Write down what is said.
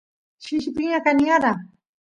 shishi piña kaniyara